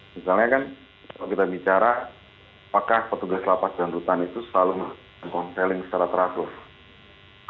misalnya kan kalau kita bicara apakah petugas lapas dan rutan itu selalu melakukan konseling secara teratur